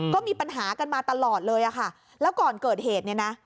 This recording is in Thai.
ก็มีปัญหากันมาตลอดเลยอะค่ะแล้วก่อนเกิดเหตุเนี่ยนะ